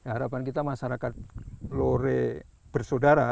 harapan kita masyarakat lore bersaudara